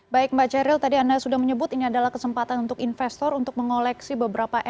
baik mbak ceril tadi anda sudah menyebut ini adalah kesempatan untuk investor untuk mengoleksi beberapa